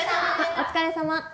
お疲れさま。